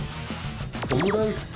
オムライスと。